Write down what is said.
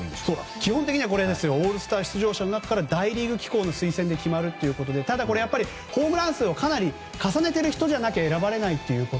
基本的にはオールスター出場者の中から大リーグ機構の推薦で決まるということでただ、ホームラン数をかなり重ねている人じゃないと選ばれないと。